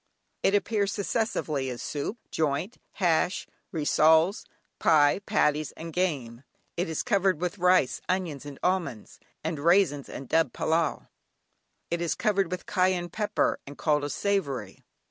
It appears successively as soup, joint, hash, rissoles, pie, patties and game. It is covered with rice, onions, and almonds, and raisins, and dubbed "pillau"; it is covered with cayenne pepper and called a savoury.